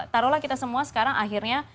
taruhlah kita semua sekarang akhirnya